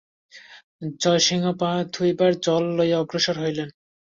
জয়সিংহ পা ধুইবার জল লইয়া অগ্রসর হইলেন।